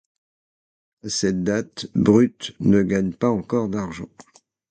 À cette date, Brut ne gagne pas encore d'argent.